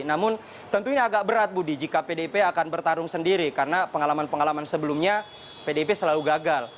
namun tentunya agak berat budi jika pdip akan bertarung sendiri karena pengalaman pengalaman sebelumnya pdip selalu gagal